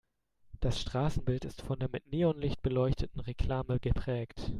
Das Straßenbild ist von der mit Neonlicht beleuchteten Reklame geprägt.